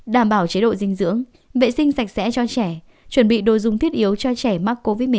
đảm bảo chế độ dinh dưỡng vệ sinh sạch sẽ cho trẻ chuẩn bị đồ dùng thiết yếu cho trẻ mắc covid một mươi chín